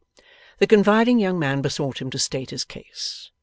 The confiding young man besought him to state his case.